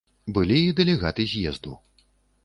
Былі і дэлегаты з'езду.